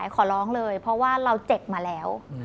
ขอร้องเลยเพราะว่าเราเจ็บมาแล้ว